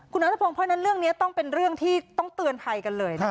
คุณนัทพงศ์เพราะฉะนั้นเรื่องนี้ต้องเป็นเรื่องที่ต้องเตือนภัยกันเลยนะคะ